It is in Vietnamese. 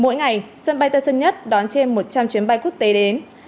mỗi ngày sân bay tân sơn nhất đón trên một trăm linh chuyến bay quốc tế đến